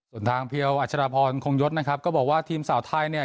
ส่วนทางเพียวอัชรพรคงยศนะครับก็บอกว่าทีมสาวไทยเนี่ย